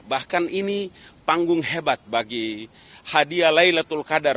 bahkan ini panggung hebat bagi hadiah laylatul qadar